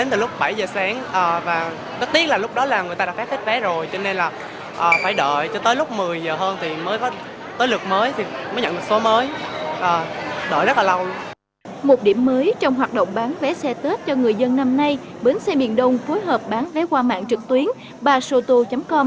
một điểm mới trong hoạt động bán vé xe tết cho người dân năm nay bến xe miền đông phối hợp bán vé qua mạng trực tuyến ba soto com